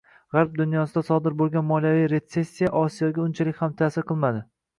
Gʻarb dunyosida sodir boʻlgan moliyaviy retsessiya Osiyoga unchalik ham taʼsir qilmadi.